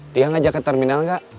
dia ngajak ke terminal nggak